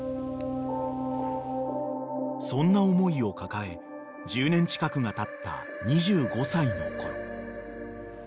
［そんな思いを抱え１０年近くがたった２５歳のころ］